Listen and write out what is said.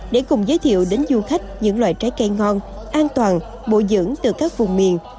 để cùng giới thiệu đến du khách những loại trái cây ngon an toàn bộ dưỡng từ các vùng miền